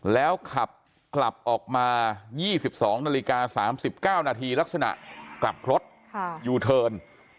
แล้วขับกลับออกมา๒๒นาฬิกา๓๙นาทีลักษณะกลับรถยูเทิร์น